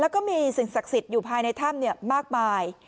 แล้วก็มีสิ่งศักดิ์สิทธิ์อยู่ภายในถ้ำมากมาย